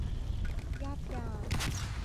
ยับยั้ง